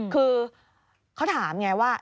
คือเขาถามไงว่า